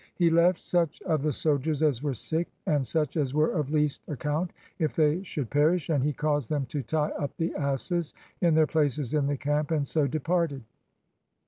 He left such of the soldiers as were sick, and such as were of least ac count, if they should perish, and he caused them to tie up the asses in their places in the camp, and so departed.